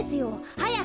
はやく！